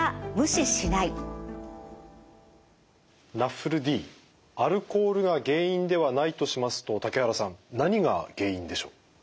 ＮＡＦＬＤアルコールが原因ではないとしますと竹原さん何が原因でしょう？